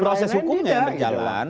proses hukumnya yang berjalan